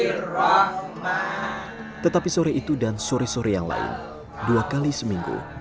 dan lain lain tetapi sore itu dan sore sore yang lain dua kali seminggu dan lain lain tetapi sore itu dan sore sore yang lain dua kali seminggu